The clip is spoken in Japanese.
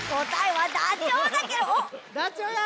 ダチョウや！